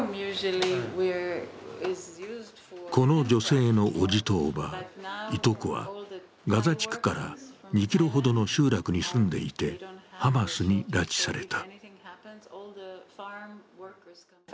この女性のおじとおば、いとこはガザ地区から２ｋｍほどの集落に住んでいて、ハマスに拉致された。